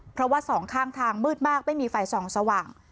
เพราะว่าสองข้างทางมืดมากไม่มีไฟส่องสว่าง